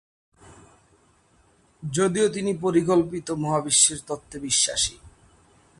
যদিও তিনি পরিকল্পিত মহাবিশ্বের তত্ত্বে বিশ্বাসী